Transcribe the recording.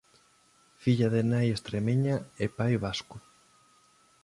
Filla de nai estremeña e pai vasco.